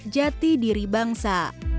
jati diri bangsa